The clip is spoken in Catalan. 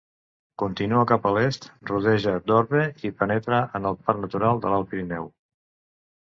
Continua cap a l'est, rodeja Dorve i penetra al Parc Natural de l'Alt Pirineu.